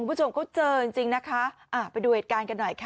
ผู้ชมเขาเจอจริงนะคะไปดูเหตุการณ์กันหน่อยค่ะ